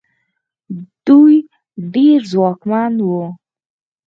دوی ډېر ځواکمن وو.